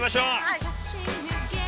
はい。